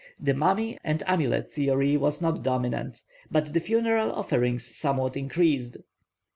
The mummy and amulet theory was not dominant; but the funeral offerings somewhat increased.